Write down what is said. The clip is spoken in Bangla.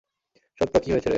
সত্য, কী হয়েছে রে?